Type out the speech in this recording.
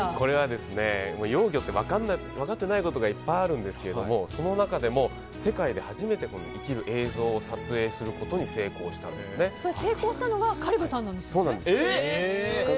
幼魚って分かってないことがいっぱいあるんですけどもその中でも世界で初めて生きる映像を撮影することに成功したのは香里武さんなんですか？